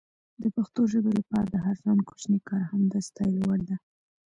د پښتو ژبې لپاره د هر ځوان کوچنی کار هم د ستایلو وړ ده.